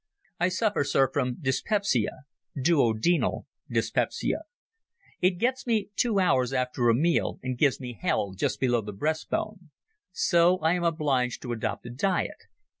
I suffer, Sir, from dyspepsia—duodenal dyspepsia. It gets me two hours after a meal and gives me hell just below the breast bone. So I am obliged to adopt a diet.